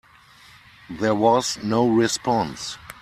There was no response.